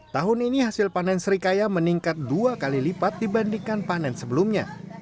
tahun ini hasil panen serikaya meningkat dua kali lipat dibandingkan panen sebelumnya